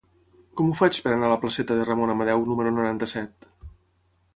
Com ho faig per anar a la placeta de Ramon Amadeu número noranta-set?